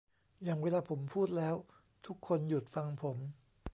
อย่างเวลาผมพูดแล้วทุกคนหยุดฟังผม